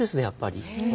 やっぱり。